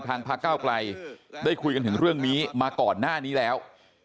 พระเก้าไกลได้คุยกันถึงเรื่องนี้มาก่อนหน้านี้แล้ว